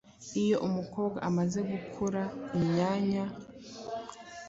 Iyo umukobwa amaze gukura imyanya